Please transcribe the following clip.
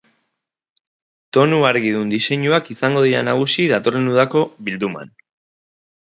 Tonu argidun diseinuak izango dira nagusi datorren udako bilduman.